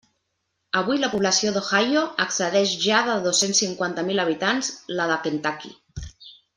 Avui la població d'Ohio excedeix ja de dos-cents cinquanta mil habitants la de Kentucky.